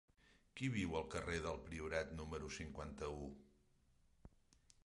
Qui viu al carrer del Priorat número cinquanta-u?